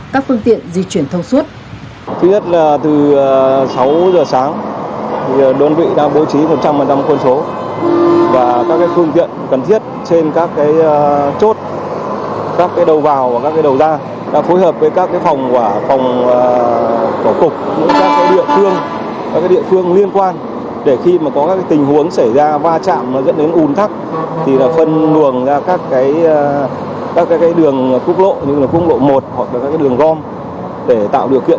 các phương tiện di chuyển thông suốt